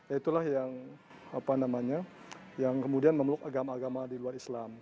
itulah yang kemudian memeluk agama agama di luar islam